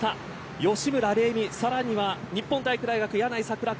吉村玲美、さらには日本体育大学、柳井桜子